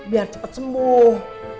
biar cepet sembuh